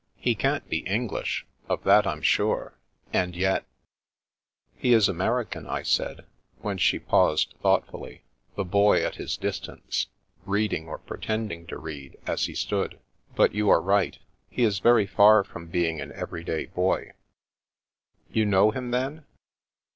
He can't be English, of that Vm sure, and yet ''" He is American," I said, when she paused thoughtfully, the Boy at his distance reading or pretending to read, as he stood. "But you are right. He is very far from being an every day boy." " You know him, then